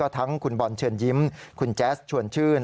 ทั้งคุณบอลเชิญยิ้มคุณแจ๊สชวนชื่น